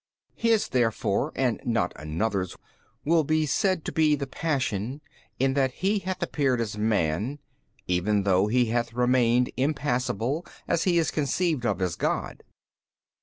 B. His therefore and not another's will be said to be the Passion in that He hath appeared as man, even though He hath remained Impassible as He is conceived of as God.